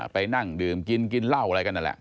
ไปนั่งดื่มกินกินเหล้าอะไรกันนั่นแหละ